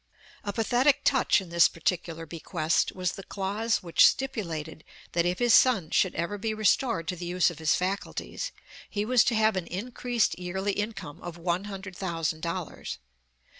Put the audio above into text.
A pathetic touch in this particular bequest, was the clause which stipulated that if his son should ever be restored to the use of his faculties, he was to have an increased yearly income of one hundred thousand dollars.